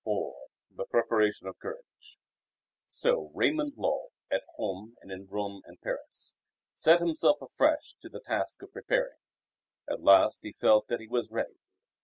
IV The Preparation of Courage So Raymund Lull (at home and in Rome and Paris) set himself afresh to his task of preparing. At last he felt that he was ready.